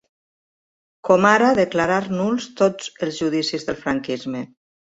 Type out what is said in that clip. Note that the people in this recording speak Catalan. Com ara declarar nuls tots els judicis del franquisme.